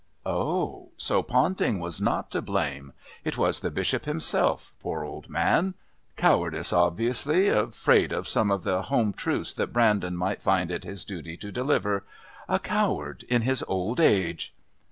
Oh, so Ponting was not to blame. It was the Bishop himself. Poor old man! Cowardice obviously, afraid of some of the home truths that Brandon might find it his duty to deliver. A coward in his old age....